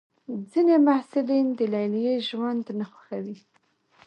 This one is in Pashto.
ځینې محصلین د لیلیې ژوند نه خوښوي.